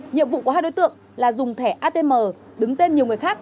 nhiệm vụ của hai đối tượng là dùng thẻ atm đứng tên nhiều người khác